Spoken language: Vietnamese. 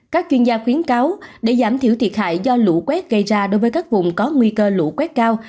các chuyên gia khuyến cáo để giảm thiểu thiệt hại do lũ quét gây ra đối với các vùng có nguy cơ lũ quét cao